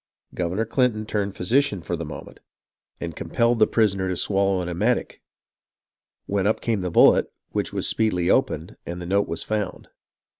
Governor Clinton turned physician for the moment, and compelled the prisoner to swallow an emetic, when up came the bullet, which was speedily opened, and the note was found.